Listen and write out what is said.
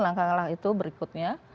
langkah langkah itu berikutnya